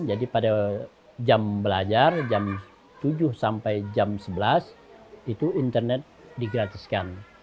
jadi pada jam belajar jam tujuh sampai jam sebelas itu internet digratiskan